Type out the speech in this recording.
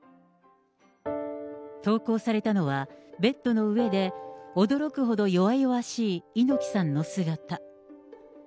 投稿されたのは、ベッドの上で驚くほど弱々しい猪木さんの姿。